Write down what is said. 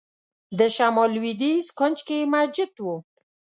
د شمال لوېدیځ کونج کې مسجد و.